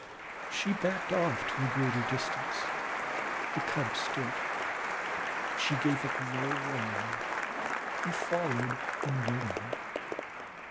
She backed off to a greater distance; the Cub stood. She gave a low whine; he followed unwillingly.